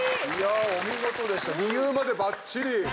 お見事でした理由までバッチリ！